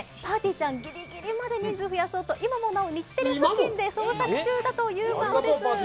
ちゃん、ぎりぎりまで人数増やそうと、今もなお、日テレ付近で捜索中だということです。